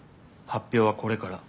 発表はこれから。